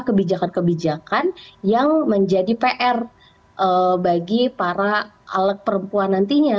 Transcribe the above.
kebijakan kebijakan yang menjadi pr bagi para alat perempuan nantinya